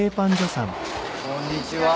こんにちは。